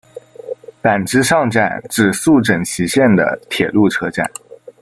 坂之上站指宿枕崎线的铁路车站。